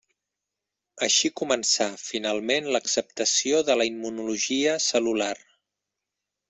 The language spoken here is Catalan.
Així començà finalment l'acceptació de la immunologia cel·lular.